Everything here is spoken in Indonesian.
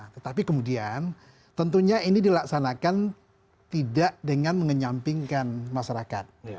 tetapi kemudian tentunya ini dilaksanakan tidak dengan mengenyampingkan masyarakat